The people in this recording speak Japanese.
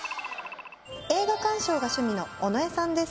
映画鑑賞が趣味の尾上さんです。